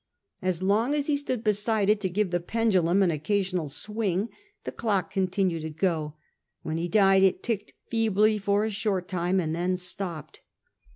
As long as he stood beside it to give the pendulum an occasional swing, the clock continued to go. When he died, it ticked feebly for a short time and then stopped.